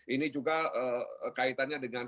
ini juga kaitannya dengan